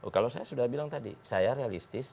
kalau saya sudah bilang tadi saya realistis